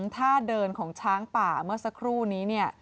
ท่าเดินของช้างป่าเมื่อสักครู่นี้เนี่ย